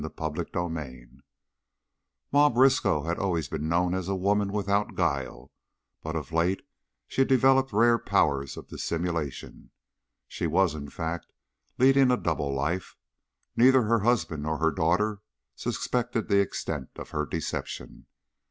CHAPTER XIII Ma Briskow always had been known as a woman without guile, but of late she had developed rare powers of dissimulation. She was, in fact, leading a double life, and neither her husband nor her daughter suspected the extent of her deception.